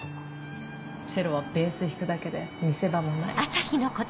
チェロはベース弾くだけで見せ場もない。